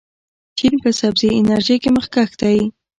چین په سبزې انرژۍ کې مخکښ دی.